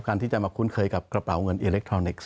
ที่จะมาคุ้นเคยกับกระเป๋าเงินอิเล็กทรอนิกส์